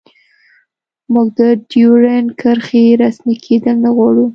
موږ د ډیورنډ کرښې رسمي کیدل نه غواړو